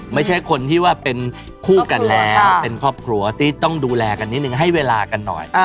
ไม่ใช่คนที่ว่าเป็นคู่กันแล้วเป็นครอบครัวที่ต้องดูแลกันนิดนึงให้เวลากันหน่อย